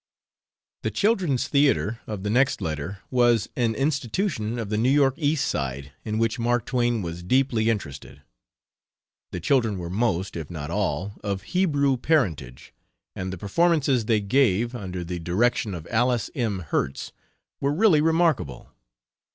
The "Children's Theatre" of the next letter was an institution of the New York East Side in which Mark Twain was deeply interested. The children were most, if not all, of Hebrew parentage, and the performances they gave, under the direction of Alice M. Herts, were really remarkable.